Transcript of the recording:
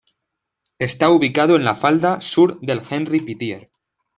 Está ubicado en la falda sur del Henri Pittier.